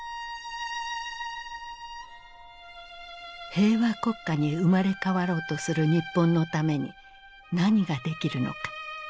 平和国家に生まれ変わろうとする日本のために何ができるのか。